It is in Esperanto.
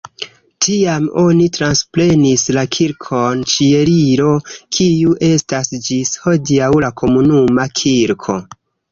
Tiam oni transprenis la Kirkon Ĉieliro kiu estas ĝis hodiaŭ la komunuma kirko.